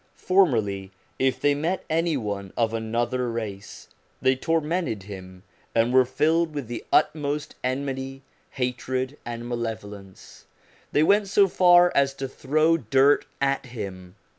Formerly, if they met any one of another race, they tormented him, and were filled with the utmost enmity, hatred, and malevolence ; they went so far as to throw dirt at him.